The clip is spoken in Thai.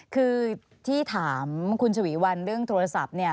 คือที่ถามคุณฉวีวันเรื่องโทรศัพท์เนี่ย